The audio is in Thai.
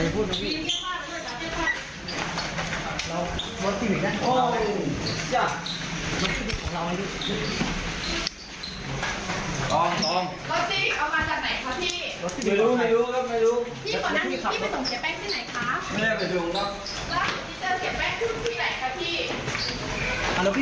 พี่เป็นคนขับเสียแป้งที่ไหนคะพี่เจอเสียแป้งที่ไหนคะพี่